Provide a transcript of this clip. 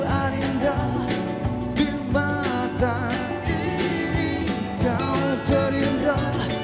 adinda di mata ini kau terindah